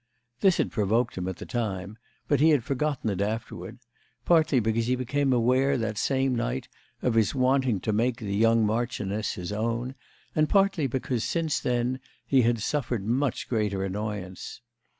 This had provoked him at the time, but he had forgotten it afterward; partly because he became aware that same night of his wanting to make the "young marchioness" his own and partly because since then he had suffered much greater annoyance.